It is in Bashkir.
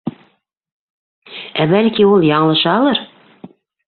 Ә бәлки ул яңылышалыр?